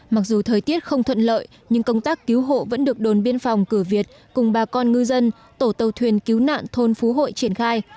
mặc dù thời tiết không thuận lợi nhưng công tác cứu hộ vẫn được đồn biên phòng cửa việt cùng ba con ngư dân tổ tàu thuyền cứu nạn thôn phú hội triển khai